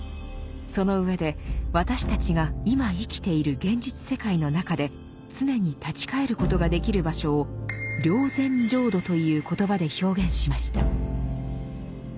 その上で私たちが今生きている現実世界の中で常に立ち返ることができる場所を「霊山浄土」という言葉で表現しました。